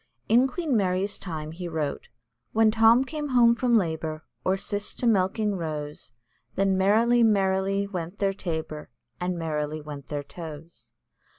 "In Queen Mary's time" he wrote "When Tom came home from labour, Or Cis to milking rose, Then merrily, merrily went their tabor, And merrily went their toes."